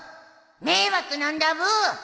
迷惑なんだブー！